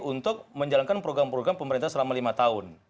untuk menjalankan program program pemerintah selama lima tahun